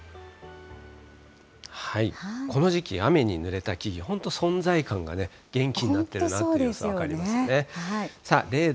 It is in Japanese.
この時期、雨にぬれた木々、本当、存在感がね、元気になってるなって様子が分かります。